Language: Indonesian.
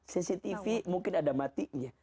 sesi tv mungkin ada matinya